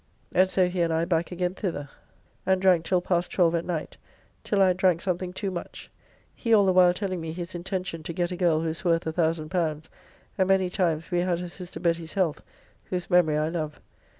And so he and I back again thither, and drank till past 12 at night, till I had drank something too much. He all the while telling me his intention to get a girl who is worth L1000, and many times we had her sister Betty's health, whose memory I love.